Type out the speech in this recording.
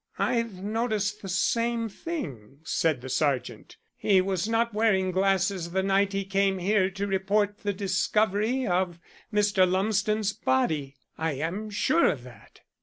"I've noticed the same thing," said the sergeant. "He was not wearing glasses the night he came here to report the discovery of Mr. Lumsden's body I am sure of that."